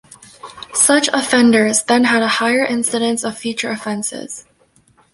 Such offenders then had a higher incidence of future offenses.